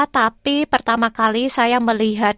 tapi pertama kali saya melihat